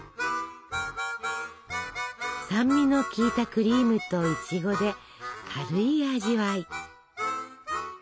酸味の効いたクリームといちごで軽い味わい。